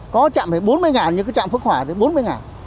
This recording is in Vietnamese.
có trạm thì bốn mươi ngàn như cái trạm phước hòa thì bốn mươi ngàn